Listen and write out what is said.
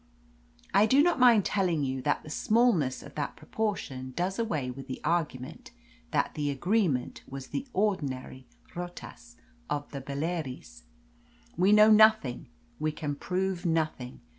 I do not mind telling you that the smallness of that proportion does away with the argument that the agreement was the ordinary 'rotas' of the Baleares. We know nothing we can prove nothing.